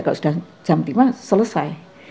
kalau sudah jam lima selesai